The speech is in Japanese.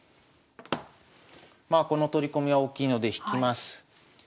まあこの取り込みは大きいので引きます。